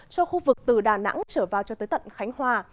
cho khu vực từ đà nẵng trở vào cho tới tận khánh hòa